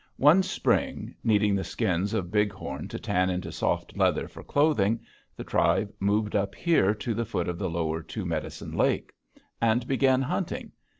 "One spring, needing the skins of bighorn to tan into soft leather for clothing, the tribe moved up here to the foot of the Lower Two Medicine Lake, and began hunting.